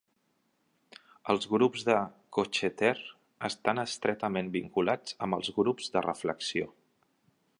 Els grups de Coxeter estan estretament vinculats amb els grups de reflexió.